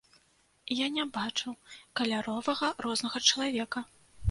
Я не бачу каляровага рознага чалавека.